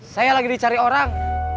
saya lagi dicari orang